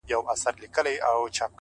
نو خود به اوس ورځي په وينو رنگه ككــرۍ؛